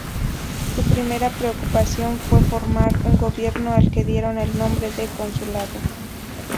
Su primera preocupación fue formar un gobierno, al que dieron el nombre de Consulado.